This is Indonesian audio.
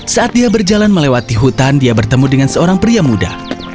saat dia berjalan melewati hutan dia bertemu dengan seorang pria muda